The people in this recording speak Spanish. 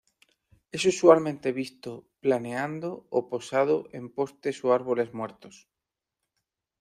Es usualmente visto planeando o posado en postes o árboles muertos.